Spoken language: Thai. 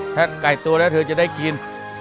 ถ้าไก่ตัวแล้วเธอจะได้กิน